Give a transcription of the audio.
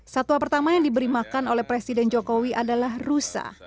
satwa pertama yang diberi makan oleh presiden jokowi adalah rusa